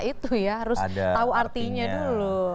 itu ya harus tahu artinya dulu